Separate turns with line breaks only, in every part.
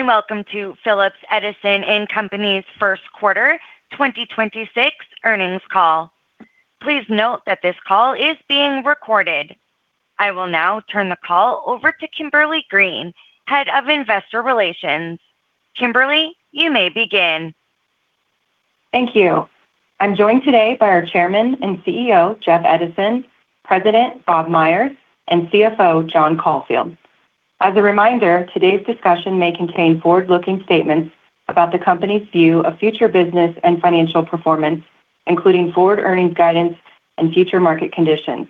Good day, and welcome to Phillips Edison & Company's first quarter 2026 earnings call. Please note that this call is being recorded. I will now turn the call over to Kimberly Green, Head of Investor Relations. Kimberly, you may begin.
Thank you. I'm joined today by our Chairman and CEO, Jeff Edison, President, Bob Myers, and CFO, John Caulfield. As a reminder, today's discussion may contain forward-looking statements about the company's view of future business and financial performance, including forward earnings guidance and future market conditions.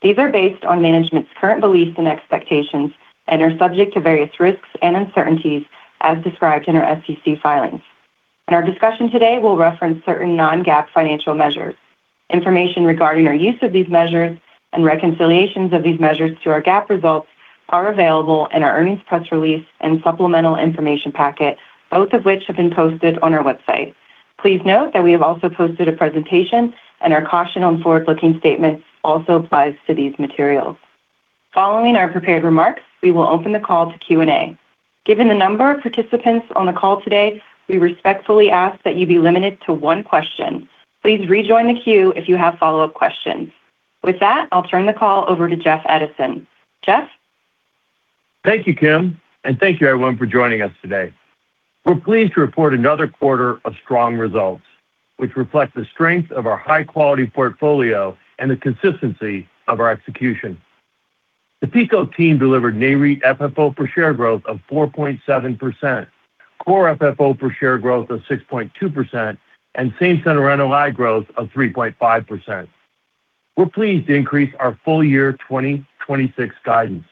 These are based on management's current beliefs and expectations and are subject to various risks and uncertainties as described in our SEC filings. In our discussion today, we'll reference certain non-GAAP financial measures. Information regarding our use of these measures and reconciliations of these measures to our GAAP results are available in our earnings press release and supplemental information packet, both of which have been posted on our website. Please note that we have also posted a presentation and our caution on forward-looking statements also applies to these materials. Following our prepared remarks, we will open the call to Q&A. Given the number of participants on the call today, we respectfully ask that you be limited to one question. Please rejoin the queue if you have follow-up questions. With that, I'll turn the call over to Jeff Edison. Jeff?
Thank you, Kim, and thank you everyone for joining us today. We're pleased to report another quarter of strong results, which reflect the strength of our high-quality portfolio and the consistency of our execution. The PECO team delivered NAREIT FFO per share growth of 4.7%, core FFO per share growth of 6.2%, and same center NOI growth of 3.5%. We're pleased to increase our full year 2026 guidance.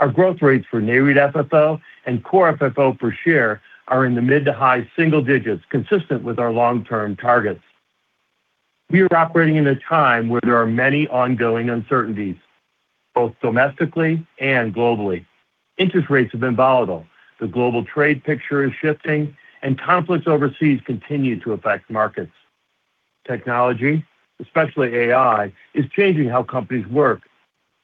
Our growth rates for NAREIT FFO and core FFO per share are in the mid to high single digits, consistent with our long-term targets. We are operating in a time where there are many ongoing uncertainties, both domestically and globally. Interest rates have been volatile, the global trade picture is shifting, and conflicts overseas continue to affect markets. Technology, especially AI, is changing how companies work.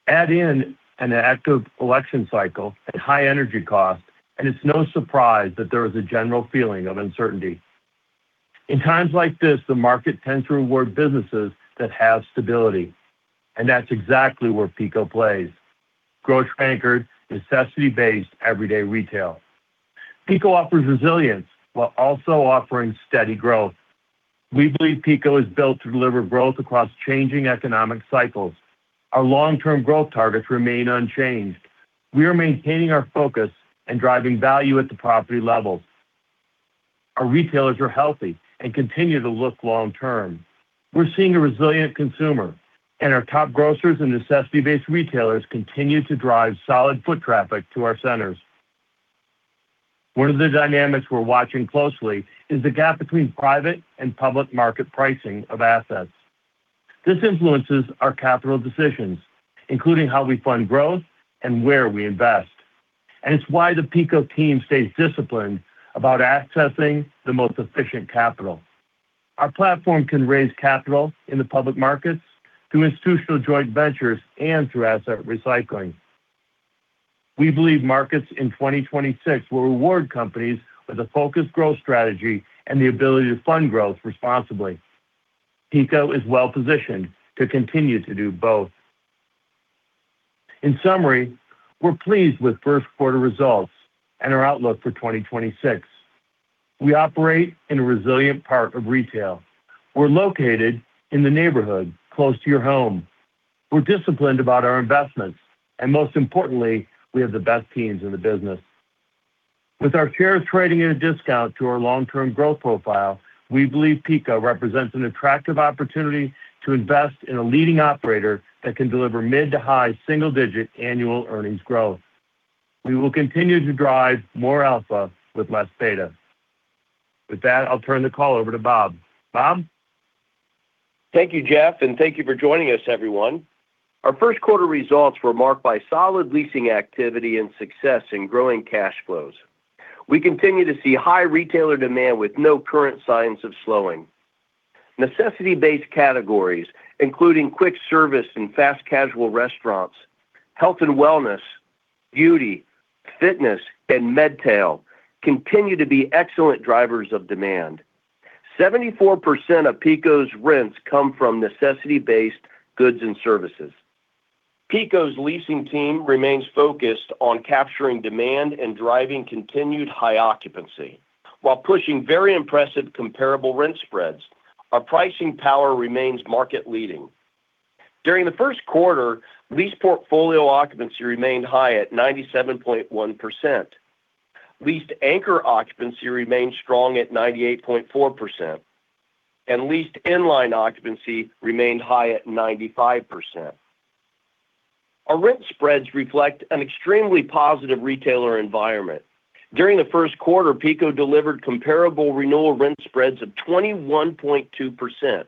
Add in an active election cycle and high energy costs, and it's no surprise that there is a general feeling of uncertainty. In times like this, the market tends to reward businesses that have stability, and that's exactly where PECO plays, grocery anchored, necessity-based, everyday retail. PECO offers resilience while also offering steady growth. We believe PECO is built to deliver growth across changing economic cycles. Our long-term growth targets remain unchanged. We are maintaining our focus and driving value at the property level. Our retailers are healthy and continue to look long-term. We're seeing a resilient consumer, and our top grocers and necessity-based retailers continue to drive solid foot traffic to our centers. One of the dynamics we're watching closely is the gap between private and public market pricing of assets. This influences our capital decisions, including how we fund growth and where we invest. It's why the PECO team stays disciplined about accessing the most efficient capital. Our platform can raise capital in the public markets through institutional joint ventures and through asset recycling. We believe markets in 2026 will reward companies with a focused growth strategy and the ability to fund growth responsibly. PECO is well-positioned to continue to do both. In summary, we're pleased with first quarter results and our outlook for 2026. We operate in a resilient part of retail. We're located in the neighborhood close to your home. We're disciplined about our investments, and most importantly, we have the best teams in the business. With our shares trading at a discount to our long-term growth profile, we believe PECO represents an attractive opportunity to invest in a leading operator that can deliver mid to high single-digit annual earnings growth. We will continue to drive more alpha with less beta. With that, I'll turn the call over to Bob. Bob?
Thank you, Jeff, and thank you for joining us, everyone. Our first quarter results were marked by solid leasing activity and success in growing cash flows. We continue to see high retailer demand with no current signs of slowing. Necessity-based categories, including quick service and fast casual restaurants, health and wellness, beauty, fitness, and medtail, continue to be excellent drivers of demand. 74% of PECO's rents come from necessity-based goods and services. PECO's leasing team remains focused on capturing demand and driving continued high occupancy while pushing very impressive comparable rent spreads. Our pricing power remains market leading. During the first quarter, lease portfolio occupancy remained high at 97.1%. Leased anchor occupancy remained strong at 98.4%, and leased inline occupancy remained high at 95%. Our rent spreads reflect an extremely positive retailer environment. During the first quarter, PECO delivered comparable renewal rent spreads of 21.2%.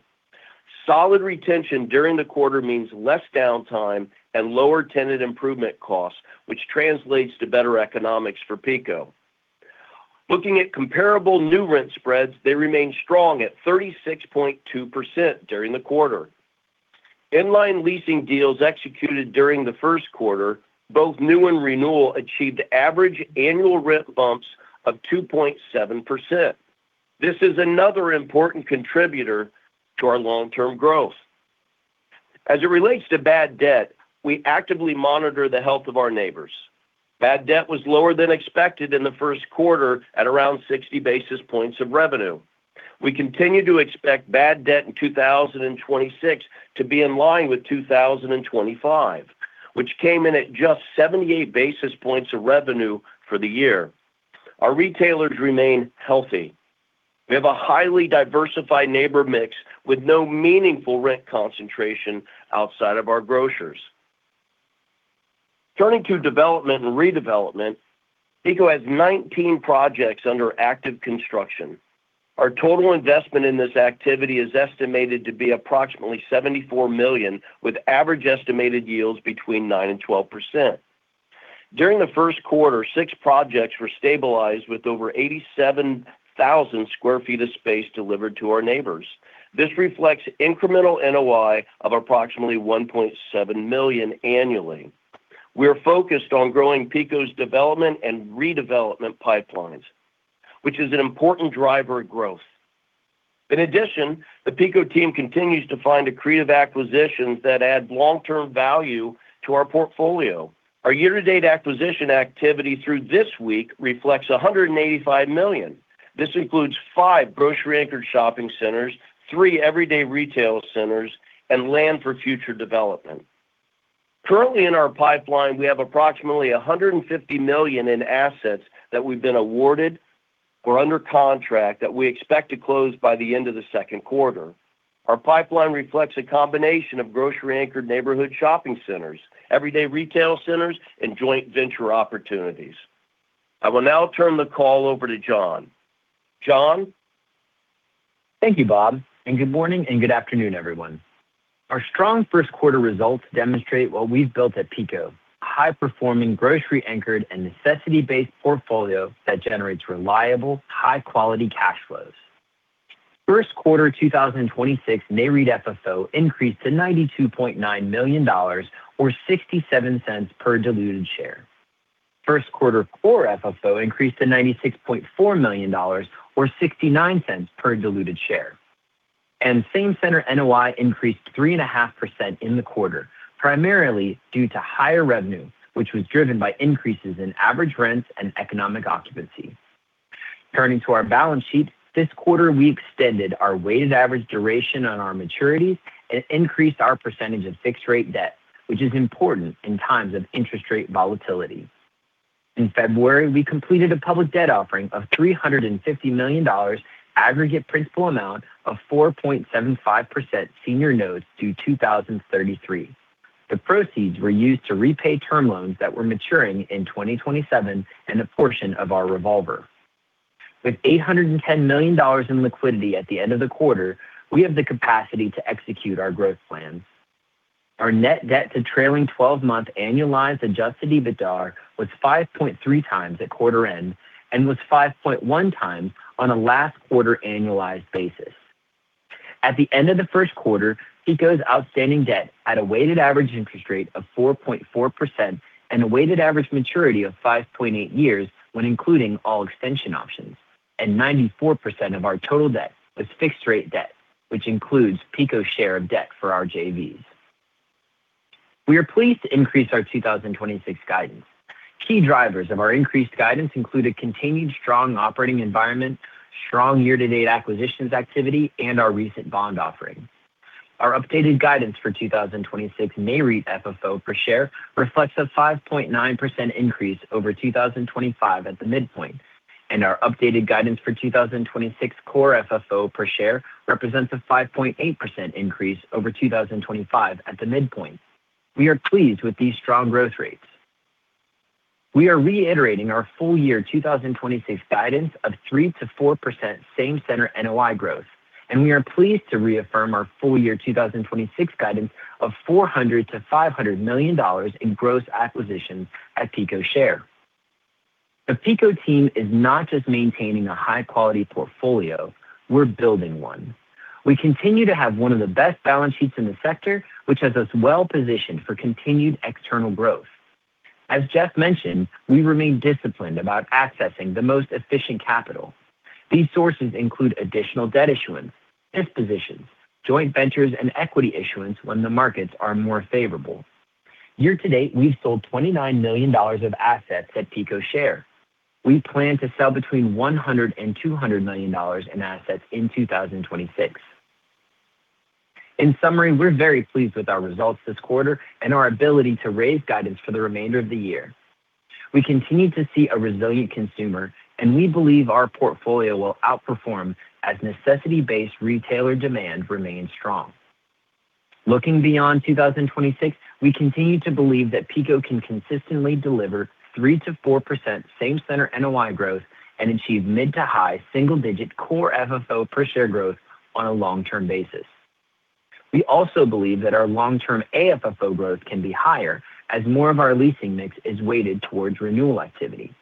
Solid retention during the quarter means less downtime and lower tenant improvement costs, which translates to better economics for PECO. Looking at comparable new rent spreads, they remained strong at 36.2% during the quarter. In-line leasing deals executed during the first quarter, both new and renewal achieved average annual rent bumps of 2.7%. This is another important contributor to our long-term growth. As it relates to bad debt, we actively monitor the health of our neighbors. Bad debt was lower than expected in the first quarter at around 60 basis points of revenue. We continue to expect bad debt in 2026 to be in line with 2025, which came in at just 78 basis points of revenue for the year. Our retailers remain healthy. We have a highly diversified neighbor mix with no meaningful rent concentration outside of our grocers. Turning to development and redevelopment, PECO has 19 projects under active construction. Our total investment in this activity is estimated to be approximately $74 million, with average estimated yields between 9%-12%. During the first quarter, six projects were stabilized with over 87,000 sq ft of space delivered to our neighbors. This reflects incremental NOI of approximately $1.7 million annually. We are focused on growing PECO's development and redevelopment pipelines, which is an important driver of growth. In addition, the PECO team continues to find accretive acquisitions that add long-term value to our portfolio. Our year-to-date acquisition activity through this week reflects $185 million. This includes five grocery-anchored shopping centers, three everyday retail centers, and land for future development. Currently in our pipeline, we have approximately $150 million in assets that we've been awarded or under contract that we expect to close by the end of the second quarter. Our pipeline reflects a combination of grocery anchored neighborhood shopping centers, everyday retail centers, and joint venture opportunities. I will now turn the call over to John. John?
Thank you, Bob, and good morning and good afternoon, everyone. Our strong first quarter results demonstrate what we've built at PECO, a high-performing grocery anchored and necessity-based portfolio that generates reliable, high-quality cash flows. First quarter 2026 NAREIT FFO increased to $92.9 million or $0.67 per diluted share. First quarter core FFO increased to $96.4 million or $0.69 per diluted share. Same center NOI increased 3.5% in the quarter, primarily due to higher revenue, which was driven by increases in average rents and economic occupancy. Turning to our balance sheet, this quarter we extended our weighted average duration on our maturities and increased our percentage of fixed rate debt, which is important in times of interest rate volatility. In February, we completed a public debt offering of $350 million aggregate principal amount of 4.75% senior notes due 2033. The proceeds were used to repay term loans that were maturing in 2027 and a portion of our revolver. With $810 million in liquidity at the end of the quarter, we have the capacity to execute our growth plans. Our net debt to trailing 12-month annualized adjusted EBITDA was 5.3 times at quarter end and was 5.1 times on a last quarter annualized basis. At the end of the first quarter, PECO's outstanding debt was at a weighted average interest rate of 4.4% and a weighted average maturity of 5.8 years when including all extension options. 94% of our total debt was fixed rate debt, which includes PECO's share of debt for our JVs. We are pleased to increase our 2026 guidance. Key drivers of our increased guidance include a continued strong operating environment, strong year to date acquisitions activity, and our recent bond offering. Our updated guidance for 2026 NAREIT FFO per share reflects a 5.9% increase over 2025 at the midpoint, and our updated guidance for 2026 core FFO per share represents a 5.8% increase over 2025 at the midpoint. We are pleased with these strong growth rates. We are reiterating our full year 2026 guidance of 3%-4% same center NOI growth, and we are pleased to reaffirm our full year 2026 guidance of $400 million-$500 million in gross acquisitions at PECO share. The PECO team is not just maintaining a high-quality portfolio, we're building one. We continue to have one of the best balance sheets in the sector, which has us well positioned for continued external growth. As Jeff mentioned, we remain disciplined about accessing the most efficient capital. These sources include additional debt issuance, dispositions, joint ventures, and equity issuance when the markets are more favorable. Year to date, we've sold $29 million of assets at PECO share. We plan to sell between $100 million and $200 million in assets in 2026. In summary, we're very pleased with our results this quarter and our ability to raise guidance for the remainder of the year. We continue to see a resilient consumer, and we believe our portfolio will outperform as necessity-based retailer demand remains strong. Looking beyond 2026, we continue to believe that PECO can consistently deliver 3%-4% same center NOI growth and achieve mid to high single digit core FFO per share growth on a long-term basis. We also believe that our long-term AFFO growth can be higher as more of our leasing mix is weighted towards renewal activity.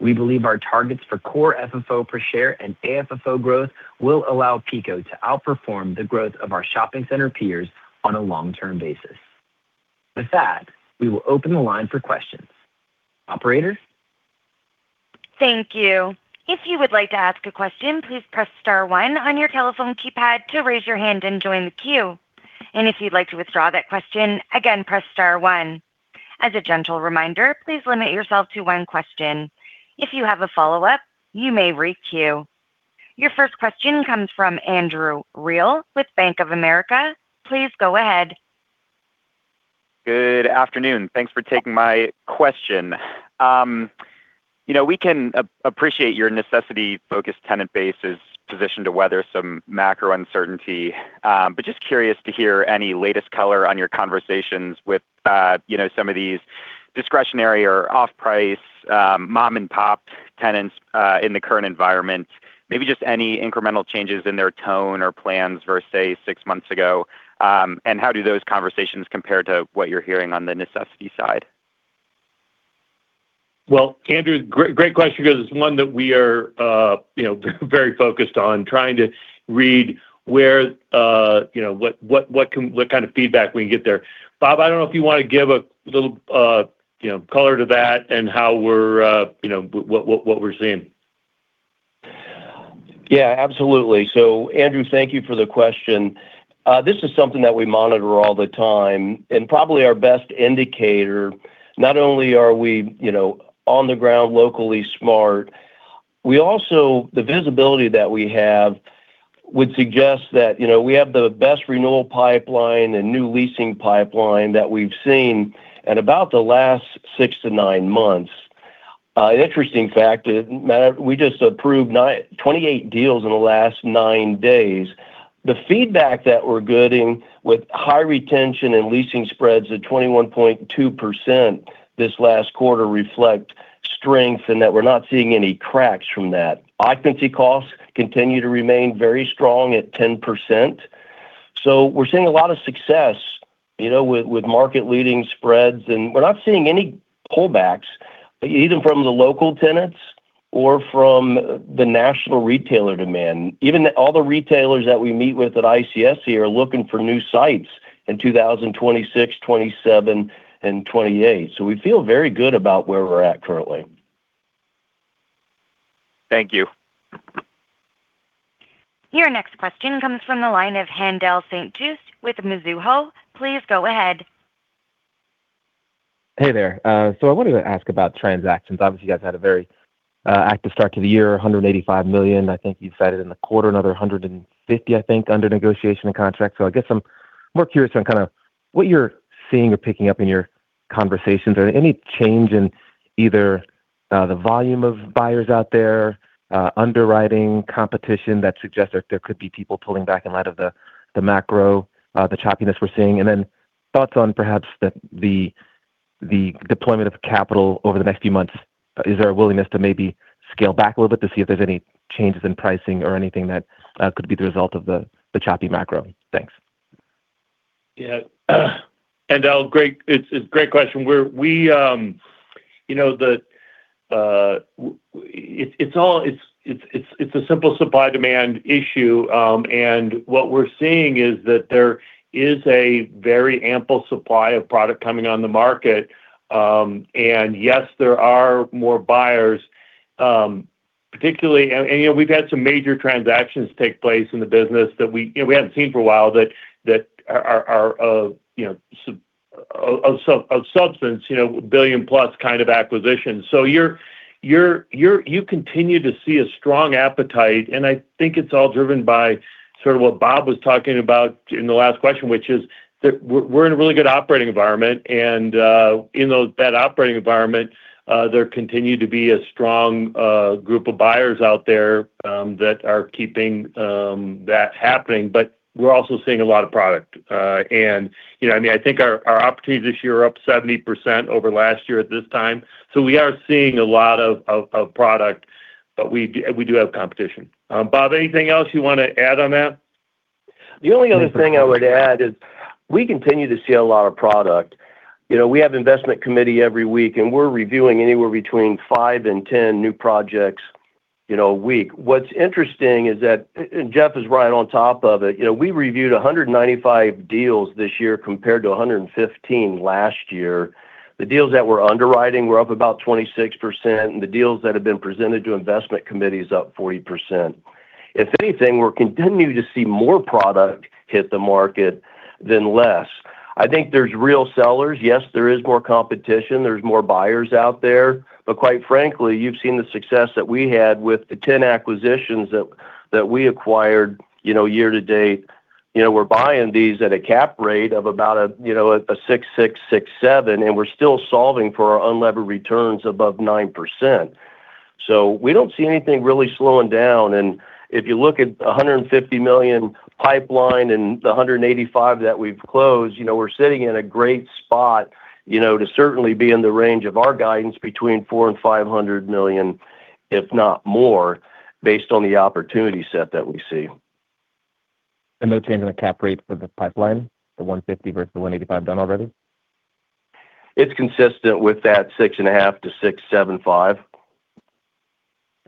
We believe our targets for core FFO per share and AFFO growth will allow PECO to outperform the growth of our shopping center peers on a long-term basis. With that, we will open the line for questions. Operator?
Thank you. If you would like to ask a question, please press star one on your telephone keypad to raise your hand and join the queue. If you'd like to withdraw that question, again, press star one. As a gentle reminder, please limit yourself to one question. If you have a follow-up, you may requeue. Your first question comes from Andrew Reale with Bank of America. Please go ahead.
Good afternoon. Thanks for taking my question. We can appreciate your necessity-focused tenant base is positioned to weather some macro uncertainty. Just curious to hear any latest color on your conversations with some of these discretionary or off-price mom-and-pop tenants, in the current environment. Maybe just any incremental changes in their tone or plans versus, say, six months ago. How do those conversations compare to what you're hearing on the necessity side?
Well, Andrew, great question. Because it's one that we are very focused on trying to read what kind of feedback we can get there. Bob, I don't know if you want to give a little color to that and what we're seeing.
Yeah, absolutely. Andrew, thank you for the question. This is something that we monitor all the time and probably our best indicator, not only are we on-the-ground, locally smart, the visibility that we have would suggest that we have the best renewal pipeline and new leasing pipeline that we've seen at about the last six to nine months. Interesting fact, matter of fact, we just approved 28 deals in the last nine days. The feedback that we're getting with high retention and leasing spreads at 21.2% this last quarter reflect strength, and that we're not seeing any cracks from that. Occupancy costs continue to remain very strong at 10%. We're seeing a lot of success with market-leading spreads, and we're not seeing any pullbacks, either from the local tenants or from the national retailer demand. Even all the retailers that we meet with at ICSC are looking for new sites in 2026, 2027, and 2028. We feel very good about where we're at currently.
Thank you.
Your next question comes from the line of Haendel St. Juste with Mizuho. Please go ahead.
Hey there. I wanted to ask about transactions. Obviously, you guys had a very active start to the year, $185 million. I think you said it in the quarter, another $150 million, I think, under negotiation and contract. I guess I'm more curious on kind of what you're seeing or picking up in your conversations. Are there any change in either the volume of buyers out there, underwriting competition that suggests that there could be people pulling back in light of the macro, the choppiness we're seeing? And then thoughts on perhaps the deployment of capital over the next few months. Is there a willingness to maybe scale back a little bit to see if there's any changes in pricing or anything that could be the result of the choppy macro? Thanks.
Yeah. Haendel, it's a great question. It's a simple supply-demand issue, and what we're seeing is that there is a very ample supply of product coming on the market. Yes, there are more buyers, particularly, and we've had some major transactions take place in the business that we hadn't seen for a while that are of substance, billion-plus kind of acquisitions. You continue to see a strong appetite, and I think it's all driven by sort of what Bob was talking about in the last question, which is that we're in a really good operating environment. In that operating environment, there continue to be a strong group of buyers out there that are keeping that happening. We're also seeing a lot of product. I think our opportunities this year are up 70% over last year at this time. We are seeing a lot of product, but we do have competition. Bob, anything else you want to add on that?
The only other thing I would add is we continue to see a lot of product. We have investment committee every week, and we're reviewing anywhere between five and 10 new projects a week. What's interesting is that, and Jeff is right on top of it. We reviewed 195 deals this year compared to 115 last year. The deals that we're underwriting were up about 26%, and the deals that have been presented to investment committee is up 40%. If anything, we're continuing to see more product hit the market than less. I think there's real sellers. Yes, there is more competition. There's more buyers out there. But quite frankly, you've seen the success that we had with the 10 acquisitions that we acquired year to date. We're buying these at a cap rate of about 6.6%, 6.7%, and we're still solving for our unlevered returns above 9%. We don't see anything really slowing down. If you look at $150 million pipeline and the $185 million that we've closed, we're sitting in a great spot to certainly be in the range of our guidance between $400 million and $500 million, if not more, based on the opportunity set that we see.
No change in the cap rate for the pipeline, the 150 versus the 185 done already?
It's consistent with that 6.5%-6.75%.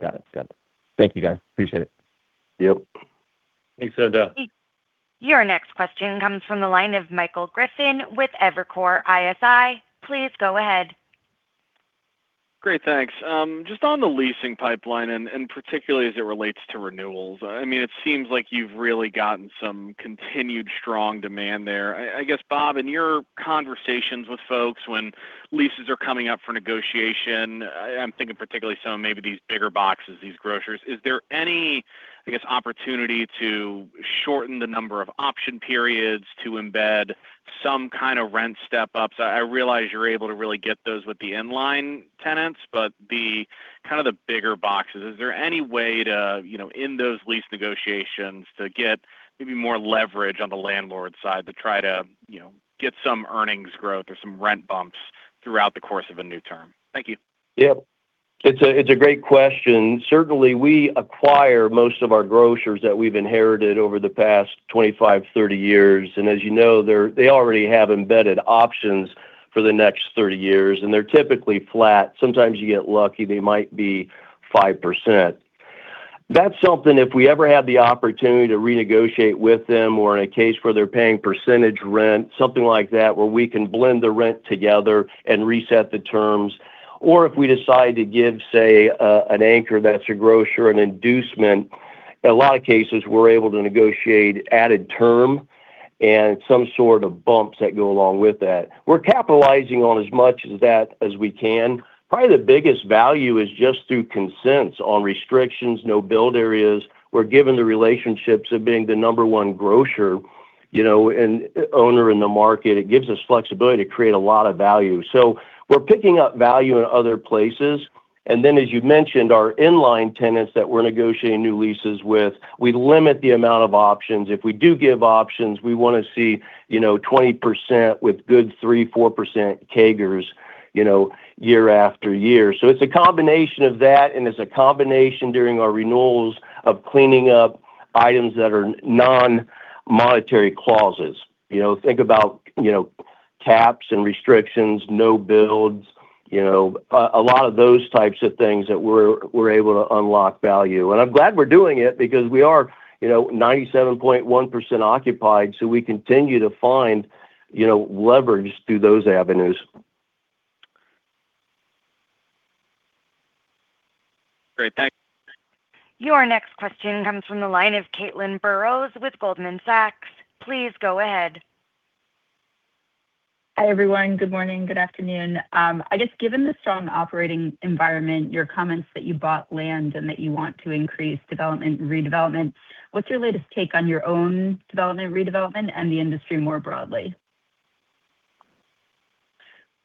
Got it. Thank you, guys. Appreciate it.
Yep.
Thanks, Haendel.
Your next question comes from the line of Michael Griffin with Evercore ISI. Please go ahead.
Great, thanks. Just on the leasing pipeline, and particularly as it relates to renewals, it seems like you've really gotten some continued strong demand there. I guess, Bob, in your conversations with folks when leases are coming up for negotiation, I'm thinking particularly some of maybe these bigger boxes, these grocers, is there any, I guess, opportunity to shorten the number of option periods to embed some kind of rent step-ups? I realize you're able to really get those with the inline tenants, but the kind of the bigger boxes, is there any way to, in those lease negotiations, to get maybe more leverage on the landlord side to try to get some earnings growth or some rent bumps throughout the course of a new term? Thank you.
Yep. It's a great question. Certainly, we acquire most of our grocers that we've inherited over the past 25-30 years. As you know, they already have embedded options for the next 30 years, and they're typically flat. Sometimes you get lucky, they might be 5%. That's something if we ever have the opportunity to renegotiate with them or in a case where they're paying percentage rent, something like that, where we can blend the rent together and reset the terms, or if we decide to give, say, an anchor that's a grocer, an inducement, a lot of cases we're able to negotiate added term and some sort of bumps that go along with that. We're capitalizing on as much of that as we can. Probably the biggest value is just through consents on restrictions, no-build areas, where given the relationships of being the number one grocer, and owner in the market, it gives us flexibility to create a lot of value. We're picking up value in other places. As you've mentioned, our inline tenants that we're negotiating new leases with, we limit the amount of options. If we do give options, we want to see 20% with good 3%-4% CAGRs year-after-year. It's a combination of that, and it's a combination during our renewals of cleaning up items that are non-monetary clauses. Think about caps and restrictions, no builds, a lot of those types of things that we're able to unlock value. I'm glad we're doing it because we are 97.1% occupied, so we continue to find leverage through those avenues.
Great. Thanks.
Your next question comes from the line of Caitlin Burrows with Goldman Sachs. Please go ahead.
Hi, everyone. Good morning. Good afternoon. I guess, given the strong operating environment, your comments that you bought land and that you want to increase development and redevelopment, what's your latest take on your own development, redevelopment, and the industry more broadly?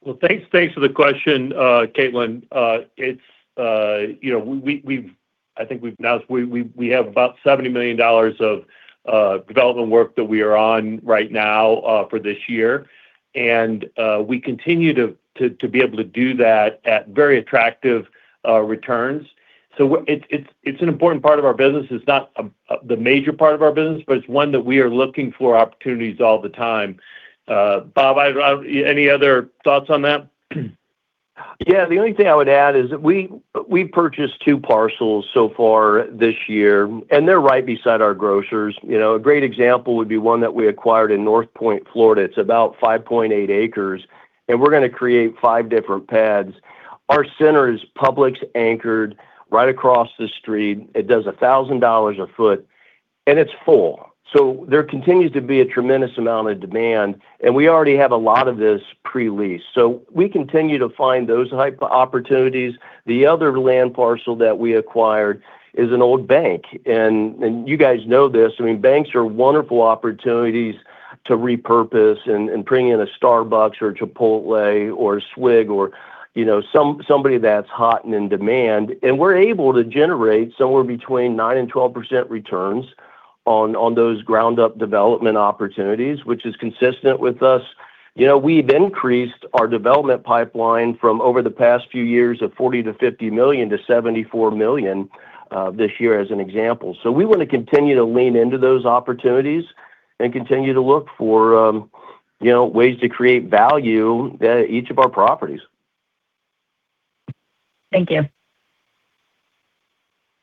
Well, thanks for the question, Caitlin. I think we've announced we have about $70 million of development work that we are on right now, for this year. We continue to be able to do that at very attractive returns. It's an important part of our business. It's not the major part of our business, but it's one that we are looking for opportunities all the time. Bob, any other thoughts on that?
Yeah, the only thing I would add is that we purchased two parcels so far this year, and they're right beside our grocers. A great example would be one that we acquired in North Port, Florida. It's about 5.8 acres, and we're going to create five different pads. Our center is Publix anchored right across the street. It does $1,000 a foot, and it's full. There continues to be a tremendous amount of demand, and we already have a lot of this pre-leased. We continue to find those type of opportunities. The other land parcel that we acquired is an old bank, and you guys know this. Banks are wonderful opportunities to repurpose and bring in a Starbucks or Chipotle or Swig or somebody that's hot and in demand. We're able to generate somewhere between 9%-12% returns on those ground-up development opportunities, which is consistent with us. We've increased our development pipeline from over the past few years of $40 million-$50 million to $74 million this year, as an example. We want to continue to lean into those opportunities and continue to look for ways to create value at each of our properties.
Thank you.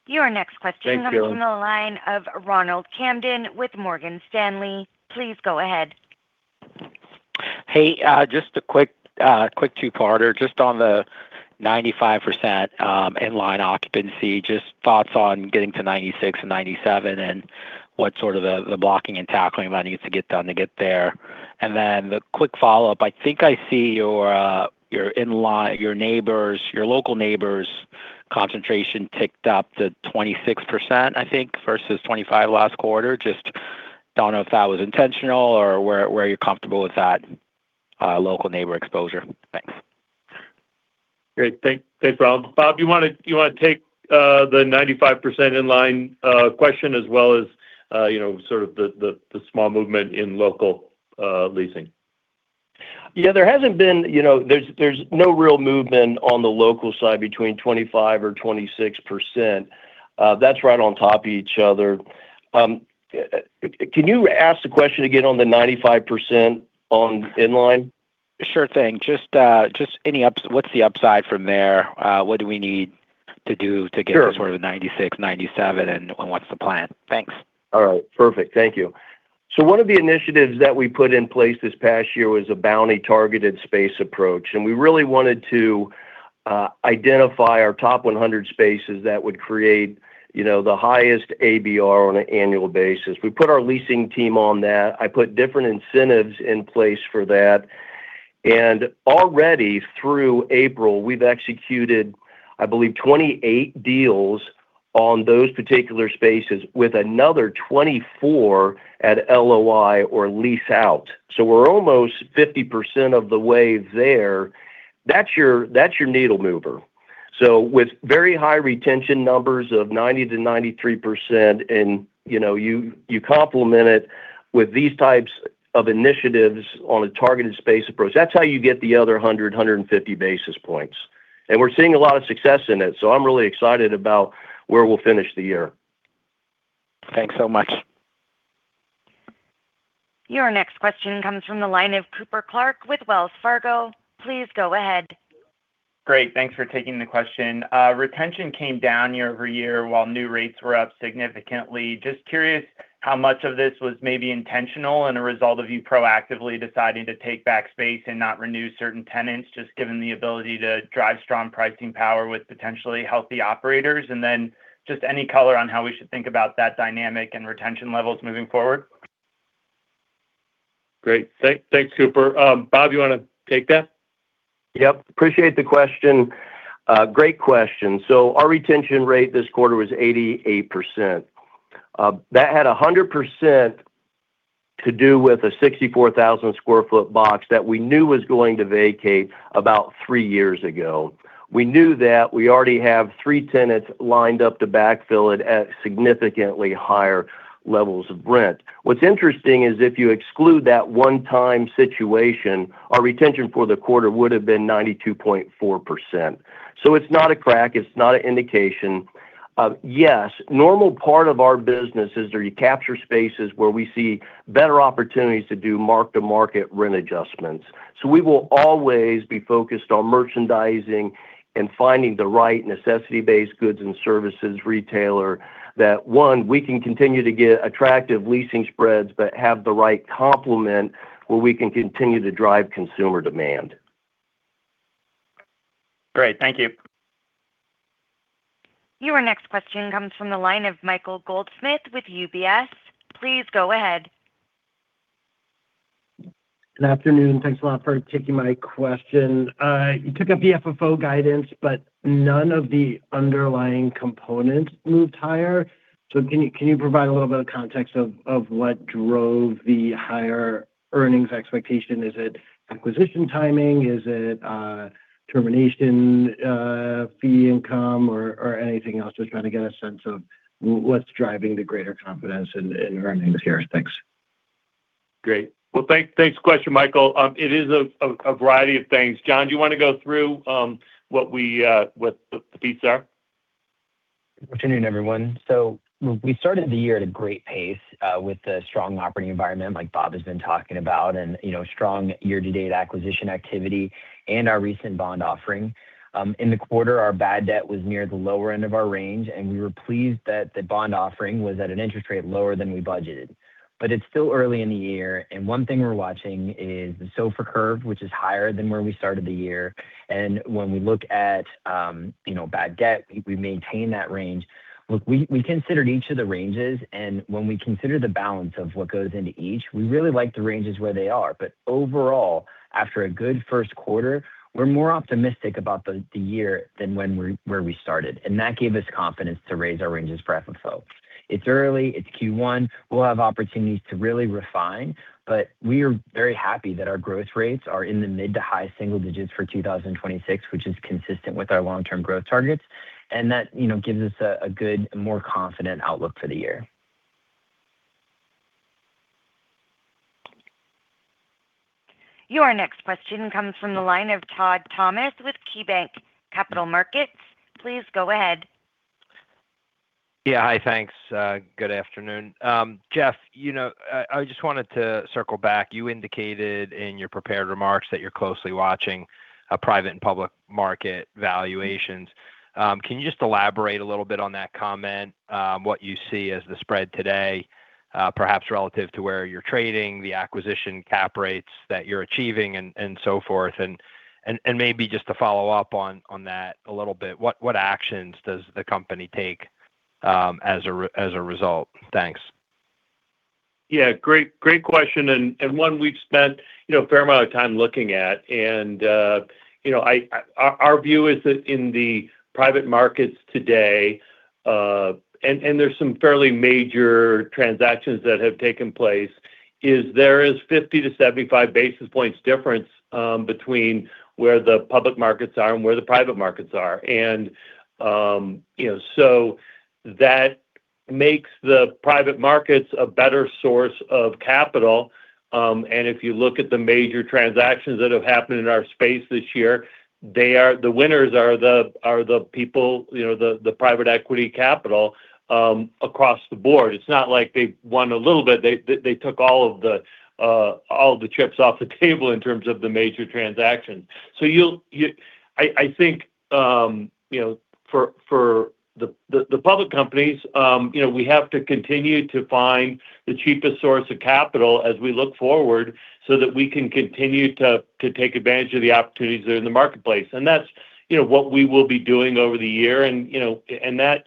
Your next question.
Thanks, Caitlin....
comes from the line of Ronald Kamdem with Morgan Stanley. Please go ahead.
Hey, just a quick two-parter. Just on the 95% inline occupancy, just thoughts on getting to 96% and 97%, and what sort of the blocking and tackling that needs to get done to get there. The quick follow-up, I think I see your local neighbors concentration ticked up to 26%, I think, versus 25% last quarter. Just don't know if that was intentional or where you're comfortable with that local neighbor exposure. Thanks.
Great. Thanks, Ronald. Bob, do you want to take the 95% in-line question as well as sort of the small movement in local leasing?
Yeah, there's no real movement on the local side between 25% or 26%. That's right on top of each other. Can you ask the question again on the 95% on inline?
Sure thing. Just what's the upside from there? What do we need to do to get sort of the 96%, 97%, and what's the plan? Thanks.
All right, perfect. Thank you. One of the initiatives that we put in place this past year was a bounty targeted space approach, and we really wanted to identify our top 100 spaces that would create the highest ABR on an annual basis. We put our leasing team on that. I put different incentives in place for that. Already through April, we've executed, I believe, 28 deals on those particular spaces with another 24 at LOI or lease out. We're almost 50% of the way there. That's your needle mover. With very high retention numbers of 90%-93%, and you complement it with these types of initiatives on a targeted space approach. That's how you get the other 100, 150 basis points. We're seeing a lot of success in it, so I'm really excited about where we'll finish the year.
Thanks so much.
Your next question comes from the line of Cooper Clark with Wells Fargo. Please go ahead.
Great. Thanks for taking the question. Retention came down year-over-year while new rates were up significantly. Just curious how much of this was maybe intentional and a result of you proactively deciding to take back space and not renew certain tenants, just given the ability to drive strong pricing power with potentially healthy operators? Just any color on how we should think about that dynamic and retention levels moving forward.
Great. Thanks, Cooper. Bob, you want to take that?
Yep. Appreciate the question. Great question. Our retention rate this quarter was 88%. That had 100% to do with a 64,000 sq ft box that we knew was going to vacate about three years ago. We knew that. We already have three tenants lined up to backfill it at significantly higher levels of rent. What's interesting is if you exclude that one-time situation, our retention for the quarter would've been 92.4%. It's not a crack, it's not an indication. Yes, normal part of our business is where you capture spaces where we see better opportunities to do mark-to-market rent adjustments. We will always be focused on merchandising and finding the right necessity-based goods and services retailer that one, we can continue to get attractive leasing spreads but have the right complement where we can continue to drive consumer demand.
Great. Thank you.
Your next question comes from the line of Michael Goldsmith with UBS. Please go ahead.
Good afternoon. Thanks a lot for taking my question. You took up the FFO guidance, but none of the underlying components moved higher. Can you provide a little bit of context of what drove the higher earnings expectation? Is it acquisition timing? Is it termination fee income or anything else? Just trying to get a sense of what's driving the greater confidence in earnings here. Thanks.
Great. Well, thanks for the question, Michael. It is a variety of things. John, do you want to go through what the beats are?
Good afternoon, everyone. We started the year at a great pace with the strong operating environment like Bob has been talking about, and strong year-to-date acquisition activity and our recent bond offering. In the quarter, our bad debt was near the lower end of our range, and we were pleased that the bond offering was at an interest rate lower than we budgeted. It's still early in the year, and one thing we're watching is the SOFR curve, which is higher than where we started the year. When we look at bad debt, we maintain that range. Look, we considered each of the ranges, and when we consider the balance of what goes into each, we really like the ranges where they are. Overall, after a good first quarter, we're more optimistic about the year than where we started, and that gave us confidence to raise our ranges for FFO. It's early, it's Q1. We'll have opportunities to really refine, but we are very happy that our growth rates are in the mid to high single digits for 2026, which is consistent with our long-term growth targets, and that gives us a good, more confident outlook for the year.
Your next question comes from the line of Todd Thomas with KeyBanc Capital Markets. Please go ahead.
Yeah. Hi, thanks. Good afternoon. Jeff, I just wanted to circle back. You indicated in your prepared remarks that you're closely watching private and public market valuations. Can you just elaborate a little bit on that comment, what you see as the spread today, perhaps relative to where you're trading, the acquisition cap rates that you're achieving and so forth? Maybe just to follow up on that a little bit, what actions does the company take as a result? Thanks.
Yeah. Great question, and one we've spent a fair amount of time looking at. Our view is that in the private markets today, and there's some fairly major transactions that have taken place, there is 50-75 basis points difference between where the public markets are and where the private markets are. That makes the private markets a better source of capital, and if you look at the major transactions that have happened in our space this year, the winners are the people, the private equity capital across the board. It's not like they've won a little bit. They took all of the chips off the table in terms of the major transactions. I think for the public companies, we have to continue to find the cheapest source of capital as we look forward so that we can continue to take advantage of the opportunities that are in the marketplace. That's what we will be doing over the year and that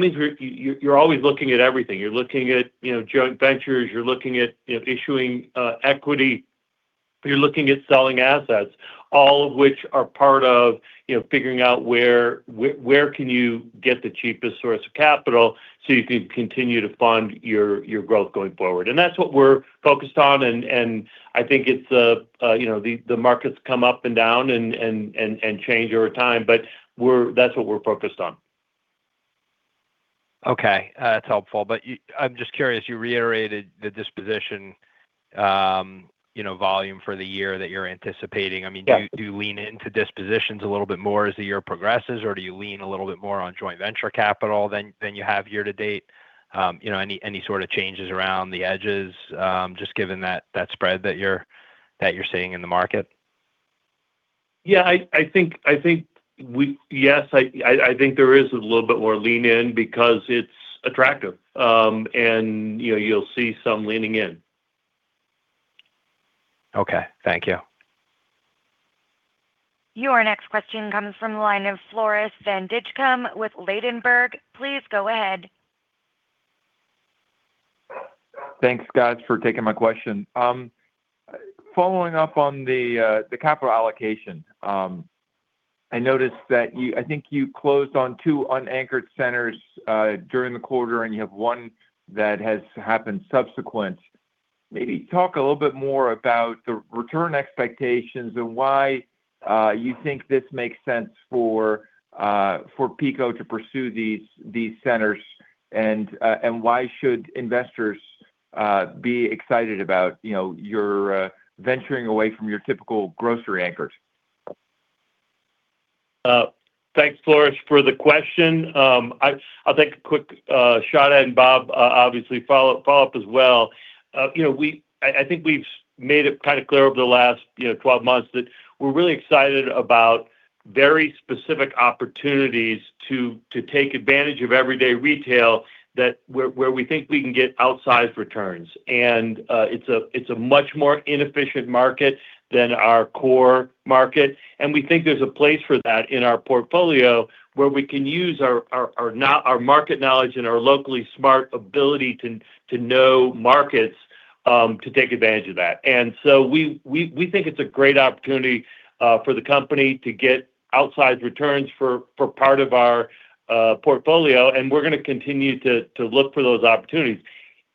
means you're always looking at everything. You're looking at joint ventures. You're looking at issuing equity. You're looking at selling assets, all of which are part of figuring out where can you get the cheapest source of capital so you can continue to fund your growth going forward. That's what we're focused on, and I think the market's come up and down and change over time, but that's what we're focused on.
Okay. That's helpful. I'm just curious, you reiterated the disposition volume for the year that you're anticipating.
Yeah.
Do you lean into dispositions a little bit more as the year progresses, or do you lean a little bit more on joint venture capital than you have year to date? Any sort of changes around the edges, just given that spread that you're seeing in the market?
Yeah, I think there is a little bit more lean in because it's attractive. You'll see some leaning in.
Okay. Thank you.
Your next question comes from the line of Floris van Dijkum with Ladenburg. Please go ahead.
Thanks, guys, for taking my question. Following up on the capital allocation, I think you closed on two unanchored centers during the quarter, and you have one that has happened subsequent. Maybe talk a little bit more about the return expectations and why you think this makes sense for PECO to pursue these centers, and why should investors be excited about venturing away from your typical grocery anchors?
Thanks, Floris, for the question. I'll take a quick shot at it, and Bob, obviously follow up as well. I think we've made it kind of clear over the last 12 months that we're really excited about very specific opportunities to take advantage of everyday retail where we think we can get outsized returns. It's a much more inefficient market than our core market, and we think there's a place for that in our portfolio where we can use our market knowledge and our locally smart ability to know markets to take advantage of that. We think it's a great opportunity for the company to get outsized returns for part of our portfolio, and we're going to continue to look for those opportunities.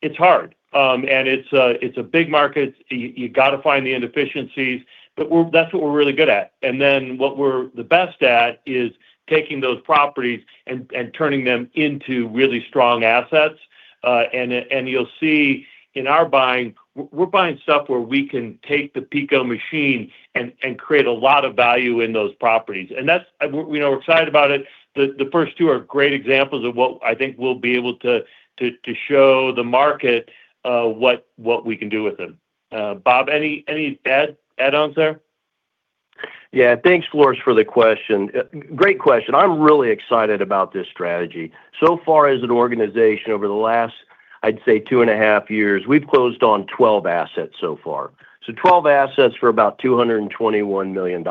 It's hard. It's a big market. You got to find the inefficiencies, but that's what we're really good at. What we're the best at is taking those properties and turning them into really strong assets. You'll see in our buying, we're buying stuff where we can take the PECO machine and create a lot of value in those properties. We're excited about it. The first two are great examples of what I think we'll be able to do to show the market what we can do with them. Bob, any add-ons there?
Yeah. Thanks, Floris, for the question. Great question. I'm really excited about this strategy. So far as an organization over the last, I'd say two and a half years, we've closed on 12 assets so far. 12 assets for about $221 million.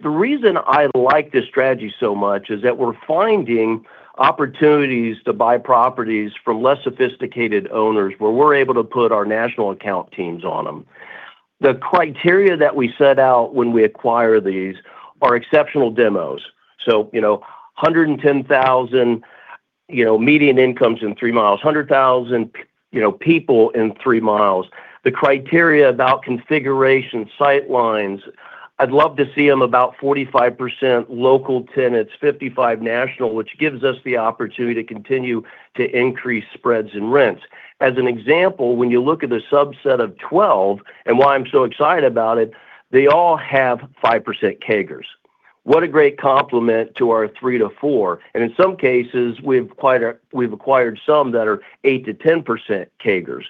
The reason I like this strategy so much is that we're finding opportunities to buy properties from less sophisticated owners where we're able to put our national account teams on them. The criteria that we set out when we acquire these are exceptional demos. 110,000 median incomes in three miles, 100,000 people in three miles. The criteria about configuration, sight lines, I'd love to see them about 45% local tenants, 55% national, which gives us the opportunity to continue to increase spreads and rents. As an example, when you look at the subset of 12 and why I'm so excited about it, they all have 5% CAGRs. What a great complement to our 3%-4%, and in some cases, we've acquired some that are 8%-10% CAGRs.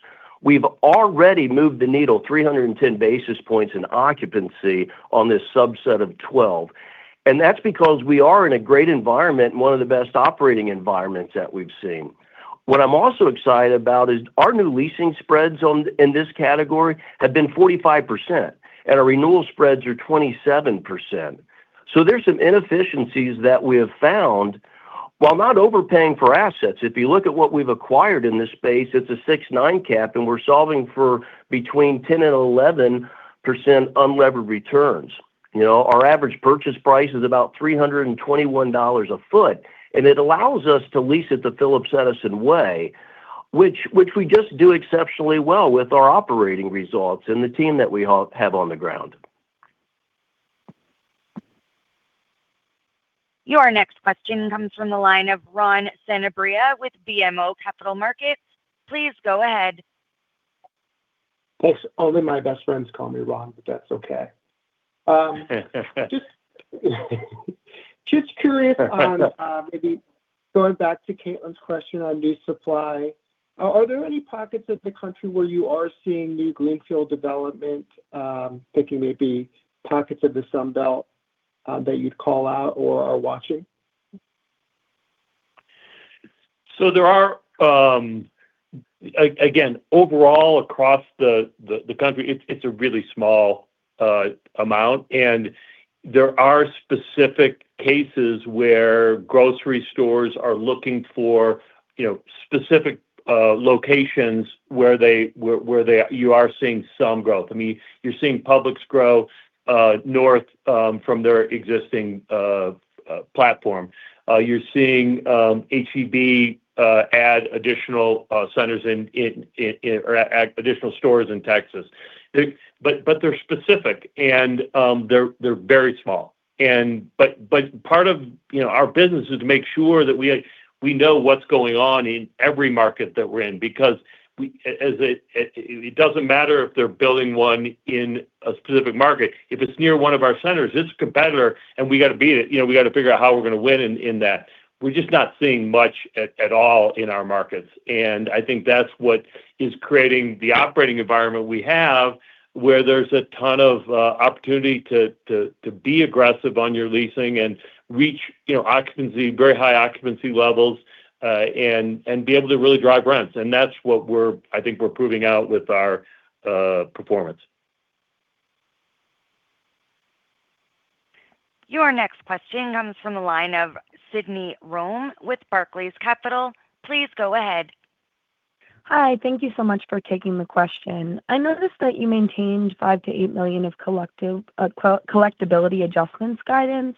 We've already moved the needle 310 basis points in occupancy on this subset of 12, and that's because we are in a great environment and one of the best operating environments that we've seen. What I'm also excited about is our new leasing spreads in this category have been 45%, and our renewal spreads are 27%. There's some inefficiencies that we have found while not overpaying for assets. If you look at what we've acquired in this space, it's a 6.9 cap, and we're solving for between 10% and 11% unlevered returns. Our average purchase price is about $321 a foot, and it allows us to lease it the Phillips Edison way, which we just do exceptionally well with our operating results and the team that we have on the ground.
Your next question comes from the line of Juan Sanabria with BMO Capital Markets. Please go ahead.
Thanks. Only my best friends call me Ron, but that's okay. Just curious on maybe going back to Caitlin's question on new supply. Are there any pockets of the country where you are seeing new greenfield development, thinking maybe pockets of the Sun Belt that you'd call out or are watching?
There are, again, overall across the country, it's a really small amount, and there are specific cases where grocery stores are looking for specific locations where you are seeing some growth. You're seeing Publix grow north from their existing platform. You're seeing H-E-B add additional stores in Texas. They're specific, and they're very small. Part of our business is to make sure that we know what's going on in every market that we're in, because it doesn't matter if they're building one in a specific market. If it's near one of our centers, it's a competitor, and we got to beat it. We got to figure out how we're going to win in that. We're just not seeing much at all in our markets. I think that's what is creating the operating environment we have, where there's a ton of opportunity to be aggressive on your leasing and reach very high occupancy levels, and be able to really drive rents. That's what I think we're proving out with our performance.
Your next question comes from the line of Sydnie Rohme with Barclays Capital. Please go ahead.
Hi, thank you so much for taking the question. I noticed that you maintained $5 million-$8 million of collectability adjustments guidance,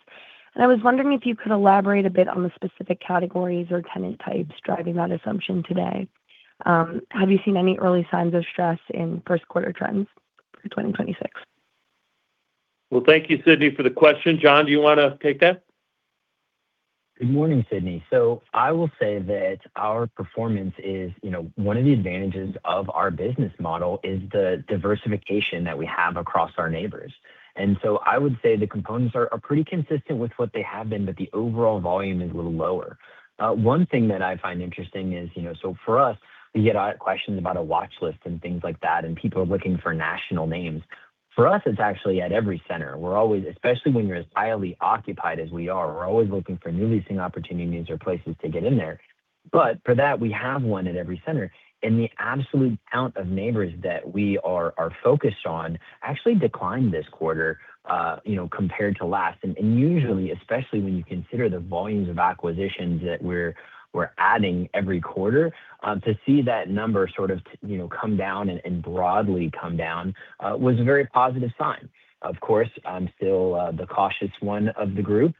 and I was wondering if you could elaborate a bit on the specific categories or tenant types driving that assumption today. Have you seen any early signs of stress in first quarter trends for 2026?
Well, thank you, Sydnie, for the question. John, do you want to take that?
Good morning, Sydnie. I will say that our performance is one of the advantages of our business model is the diversification that we have across our neighbors. I would say the components are pretty consistent with what they have been, but the overall volume is a little lower. One thing that I find interesting is, for us, we get questions about a watch list and things like that, and people are looking for national names. For us, it's actually at every center. Especially when you're as highly occupied as we are, we're always looking for new leasing opportunities or places to get in there. But for that, we have one at every center, and the absolute count of neighbors that we are focused on actually declined this quarter compared to last. Usually, especially when you consider the volumes of acquisitions that we're adding every quarter, to see that number sort of come down and broadly come down was a very positive sign. Of course, I'm still the cautious one of the group.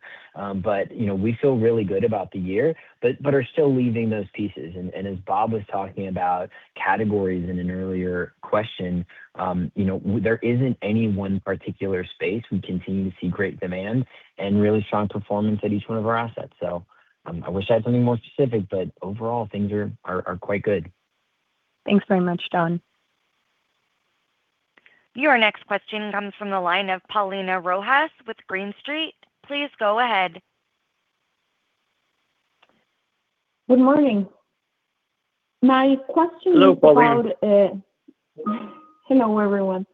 We feel really good about the year, but are still leaving those pieces. As Bob was talking about categories in an earlier question, there isn't any one particular space. We continue to see great demand and really strong performance at each one of our assets. I wish I had something more specific, but overall things are quite good.
Thanks very much, John.
Your next question comes from the line of Paulina Rojas with Green Street. Please go ahead.
Good morning. My question is about-
Hello, Paulina.
Hello, everyone.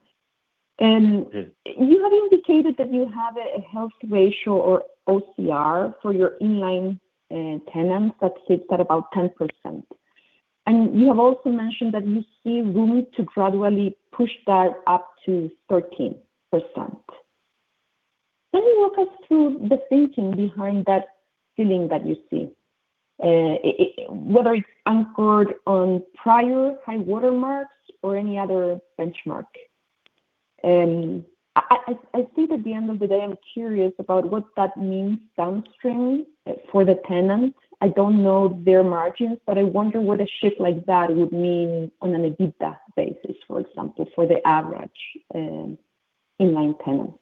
You have indicated that you have a health ratio or OCR for your inline tenants that sits at about 10%. You have also mentioned that you see room to gradually push that up to 13%. Can you walk us through the thinking behind that ceiling that you see, whether it's anchored on prior high water marks or any other benchmark? I think at the end of the day, I'm curious about what that means downstream for the tenants. I don't know their margins, but I wonder what a shift like that would mean on an EBITDA basis, for example, for the average inline tenant.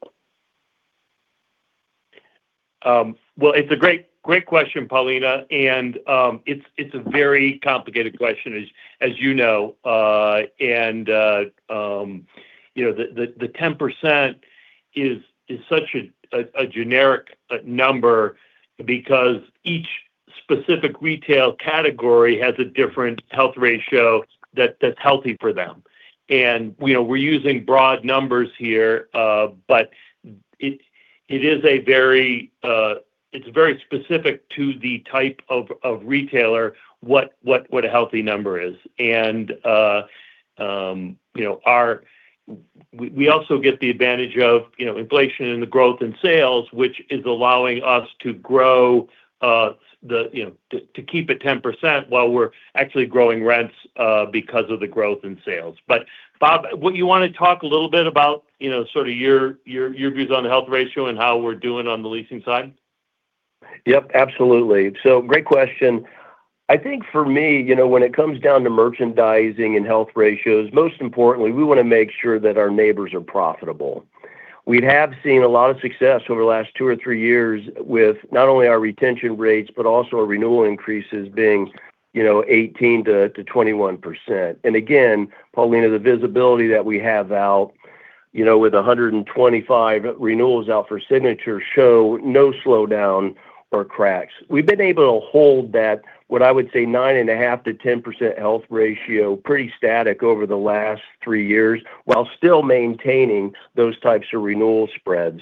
Well, it's a great question, Paulina, and it's a very complicated question as you know. The 10% is such a generic number because each specific retail category has a different health ratio that's healthy for them. We're using broad numbers here, but it's very specific to the type of retailer, what a healthy number is. We also get the advantage of inflation in the growth in sales, which is allowing us to keep it 10% while we're actually growing rents because of the growth in sales. Bob, you want to talk a little bit about sort of your views on the health ratio and how we're doing on the leasing side?
Yep, absolutely. Great question. I think for me, when it comes down to merchandising and health ratios, most importantly, we want to make sure that our neighbors are profitable. We have seen a lot of success over the last two or three years with not only our retention rates, but also our renewal increases being 18%-21%. Again, Paulina, the visibility that we have out with 125 renewals out for signature show no slowdown or cracks. We've been able to hold that, what I would say, 9.5%-10% health ratio, pretty static over the last three years, while still maintaining those types of renewal spreads.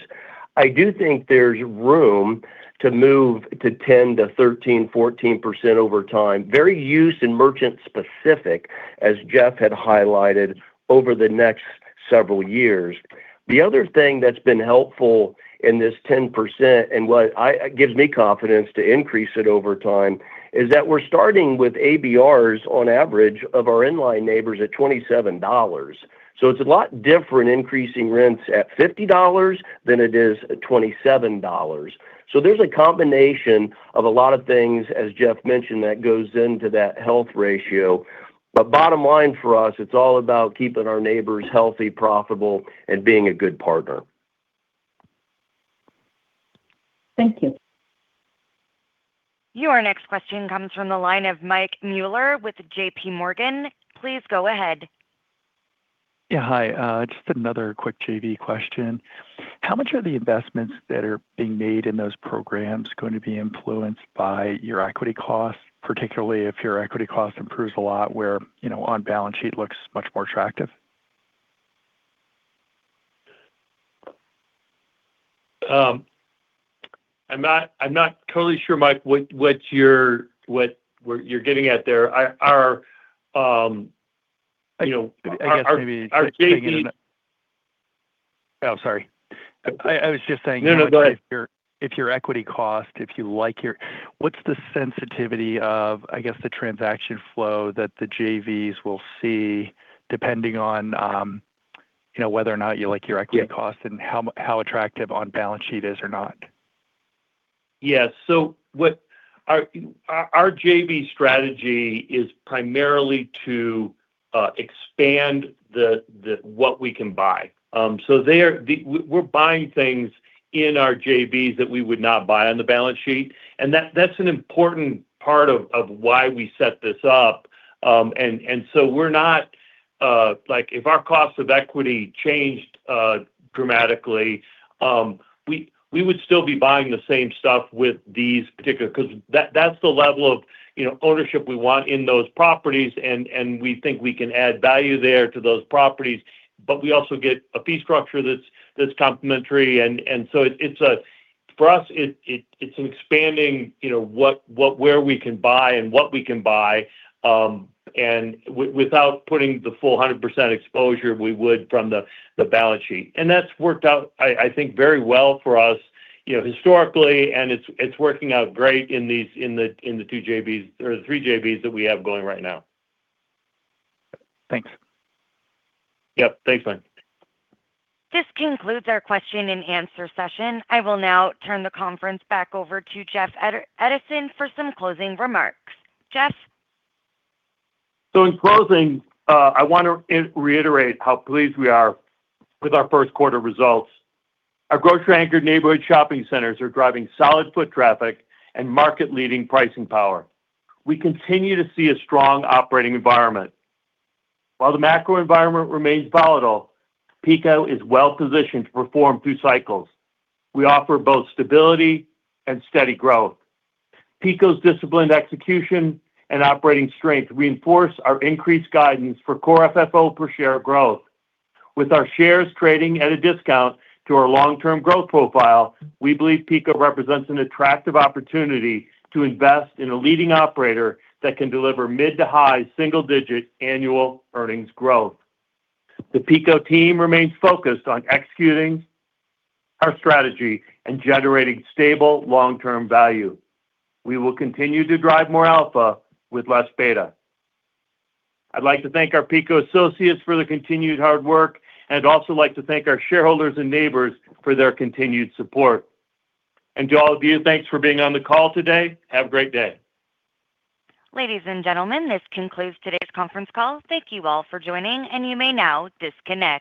I do think there's room to move to 10%-13%, 14% over time, very use and merchant specific, as Jeff had highlighted over the next several years. The other thing that's been helpful in this 10%, and what gives me confidence to increase it over time, is that we're starting with ABRs on average of our inline neighbors at $27. It's a lot different increasing rents at $50 than it is at $27. There's a combination of a lot of things, as Jeff mentioned, that goes into that health ratio. Bottom line for us, it's all about keeping our neighbors healthy, profitable, and being a good partner.
Thank you.
Your next question comes from the line of Mike Mueller with JPMorgan. Please go ahead.
Yeah. Hi. Just another quick JV question. How much are the investments that are being made in those programs going to be influenced by your equity costs, particularly if your equity cost improves a lot where on balance sheet looks much more attractive?
I'm not totally sure, Mike, what you're getting at there. Our JV
Oh, sorry. I was just saying.
No, no, go ahead.
What's the sensitivity of, I guess, the transaction flow that the JVs will see depending on whether or not you like your equity costs and how attractive on-balance sheet is or not?
Yeah. Our JV strategy is primarily to expand what we can buy. We're buying things in our JVs that we would not buy on the balance sheet, and that's an important part of why we set this up. If our cost of equity changed dramatically, we would still be buying the same stuff with these particular because that's the level of ownership we want in those properties, and we think we can add value there to those properties. We also get a fee structure that's complementary. For us, it's expanding where we can buy and what we can buy, and without putting the full 100% exposure we would from the balance sheet. That's worked out, I think, very well for us historically, and it's working out great in the two JVs or the three JVs that we have going right now.
Thanks.
Yep. Thanks, Mike.
This concludes our question and answer session. I will now turn the conference back over to Jeff Edison for some closing remarks. Jeff?
In closing, I want to reiterate how pleased we are with our first quarter results. Our grocery-anchored neighborhood shopping centers are driving solid foot traffic and market-leading pricing power. We continue to see a strong operating environment. While the macro environment remains volatile, PECO is well-positioned to perform through cycles. We offer both stability and steady growth. PECO's disciplined execution and operating strength reinforce our increased guidance for core FFO per share growth. With our shares trading at a discount to our long-term growth profile, we believe PECO represents an attractive opportunity to invest in a leading operator that can deliver mid to high single-digit annual earnings growth. The PECO team remains focused on executing our strategy and generating stable long-term value. We will continue to drive more alpha with less beta. I'd like to thank our PECO associates for the continued hard work, and I'd also like to thank our shareholders and neighbors for their continued support. To all of you, thanks for being on the call today. Have a great day.
Ladies and gentlemen, this concludes today's conference call. Thank you all for joining, and you may now disconnect.